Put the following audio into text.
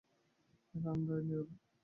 এখানটা নিরাপদ নয়।